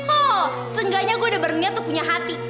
oh seenggaknya gue udah berniat tuh punya hati